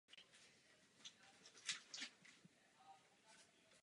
Paní předsedající, třetí bod se týká snížení tlaku.